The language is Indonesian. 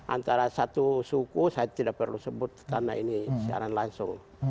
antara satu suku saya tidak perlu sebut karena ini siaran langsung